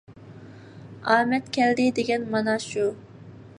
ئامەت كەلدى دېگەن مانا شۇ!